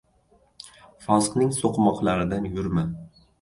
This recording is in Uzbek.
Fosiqning so‘qmoqlaridan yurma;